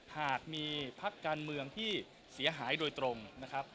หากมีพักการเมืองที่เสียหายโดยตรงนะครับ